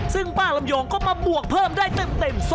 ซึ่งป้าลำยองก็มาบวกเพิ่มได้เต็ม๒